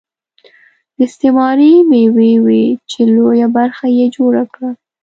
دا استثماري مېوې وې چې لویه برخه یې جوړه کړه